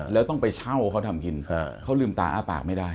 แล้วต้องไปเช่าเขาทำกินเขาลืมตาอ้าปากไม่ได้